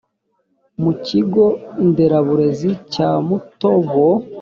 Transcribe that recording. mu kigo nderabuzima cya mutobo